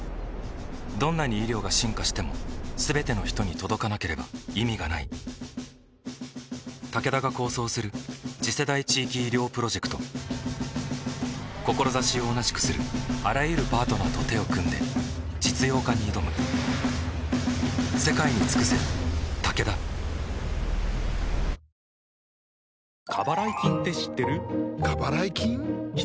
どんなに医療が進化しても全ての人に届かなければ意味がないタケダが構想する次世代地域医療プロジェクト志を同じくするあらゆるパートナーと手を組んで実用化に挑むやさしいマーン！！